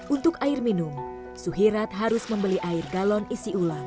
untuk air minum suhirat harus membeli air galon isi ulang